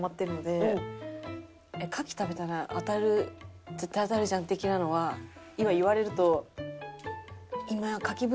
「牡蠣食べたらあたる絶対あたるじゃん」的なのは今言われると。